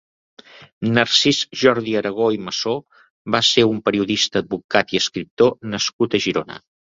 Narcís-Jordi Aragó i Masó va ser un periodista, advocat i escriptor nascut a Girona.